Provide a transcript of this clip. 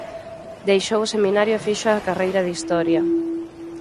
Deixou o Seminario e fixo a carreira de Historia.